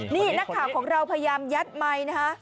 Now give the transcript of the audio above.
นี่นักข่าวของเราพยายามยัดไมค์นะคะ